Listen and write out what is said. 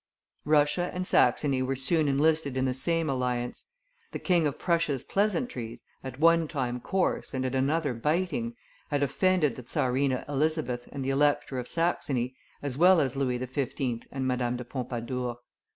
Russia and Saxony were soon enlisted in the same alliance; the King of Prussia's pleasantries, at one time coarse and at another biting, had offended the Czarina Elizabeth and the Elector of Saxony as well as Louis XV. and Madame de Pompadour.